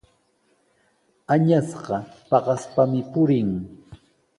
Añasqa paqaspami purin.